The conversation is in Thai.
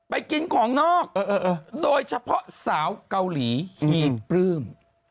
ไปกินของนอกโดยเฉพาะสาวเกาหลีปลื้ม